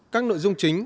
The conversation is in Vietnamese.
các nội dung chính